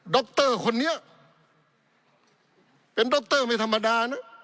รคนนี้เป็นดรไม่ธรรมดานะ